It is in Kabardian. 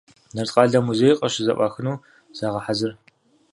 Нарткъалъэ музей къыщызэӏуахыну загъэхьэзыр.